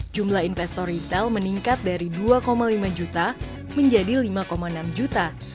jumlah investor retail meningkat dari dua lima juta menjadi lima enam juta